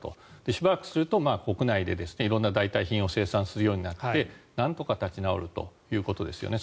しばらくすると国内で色んな代替品を生産するようになって、なんとか立ち直るということですよね。